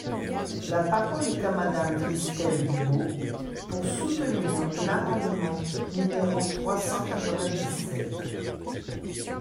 La parole est à Madame Christelle Dubos, pour soutenir l’amendement numéro trois cent quatre-vingt-dix-sept.